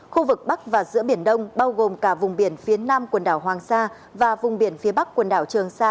khu vực bắc và giữa biển đông bao gồm cả vùng biển phía nam quần đảo hoàng sa và vùng biển phía bắc quần đảo trường sa